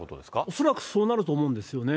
恐らくそうなると思うんですよね。